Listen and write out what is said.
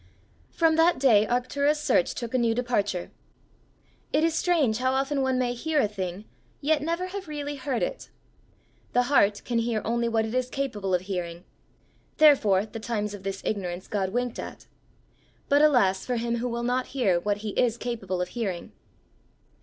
From that day Arctura's search took a new departure. It is strange how often one may hear a thing, yet never have really heard it! The heart can hear only what it is capable of hearing; therefore "the times of this ignorance God winked at;" but alas for him who will not hear what he is capable of hearing!